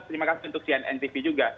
terima kasih untuk cnn tv juga